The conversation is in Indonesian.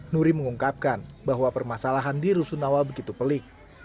nuri mengungkapkan bahwa permasalahan di rusun awa begitu pelik